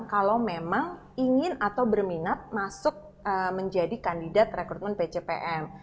kalau memang ingin atau berminat masuk menjadi kandidat rekrutmen pcpm